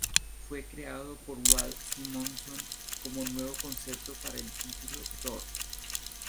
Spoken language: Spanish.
Fue creado por Walt Simonson como un nuevo concepto para el título "Thor".